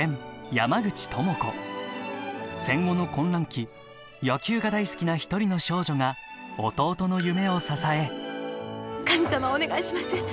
戦後の混乱期野球が大好きな１人の少女が弟の夢を支え神様お願いします。